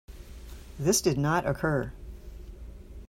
This did not occur.